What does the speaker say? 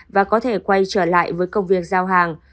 và có thể quay trở lại với công việc giao hàng